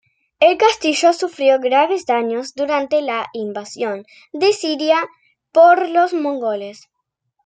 El castillo sufrió graves daños durante la invasión de Siria por los mongoles.